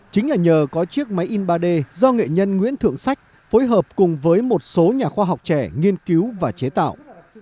chính là nhờ có chiếc máy in ba d do nghệ nhân nguyễn thượng sách phối hợp cùng với một số nhà khoa học trẻ nghiên cứu và chế tạo